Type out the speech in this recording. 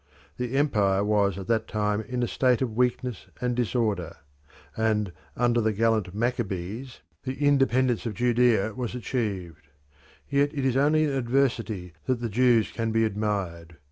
The empire was at that time in a state of weakness and disorder, and under the gallant Maccabees the independence of Judea was achieved. Yet it is only in adversity that the Jews can be admired.